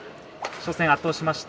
初戦、圧倒しました。